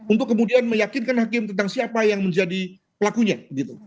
untuk kemudian meyakinkan hakim tentang siapa yang menjadi pelakunya